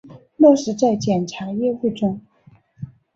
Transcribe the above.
落实在检察业务中